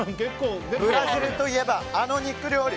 ブラジルといえば、あの肉料理。